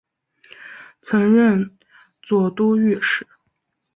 曾任左都御史。